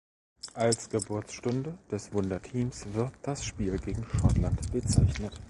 Als Geburtsstunde des Wunderteams wird das Spiel gegen Schottland bezeichnet.